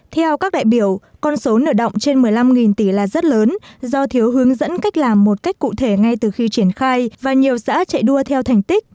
theo các đại biểu con số nợ động trên một mươi năm tỷ là rất lớn do thiếu hướng dẫn cách làm một cách cụ thể ngay từ khi triển khai và nhiều xã chạy đua theo thành tích